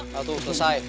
nah tuh selesai